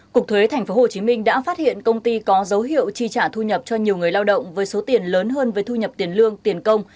cục thuế tp hcm đã phát hiện công ty có dấu hiệu chi trả thu nhập cho nhiều người lao động với số tiền lớn hơn với thu nhập tiền lương tiền công